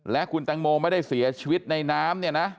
และคุณแตงโมไม่ได้เสียชีวิตในน้ำเนี่ยนะ